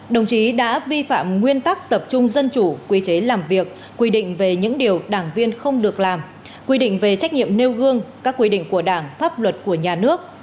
đồng chí đã vi phạm nguyên tắc tập trung dân chủ quy chế làm việc quy định về những điều đảng viên không được làm quy định về trách nhiệm nêu gương các quy định của đảng pháp luật của nhà nước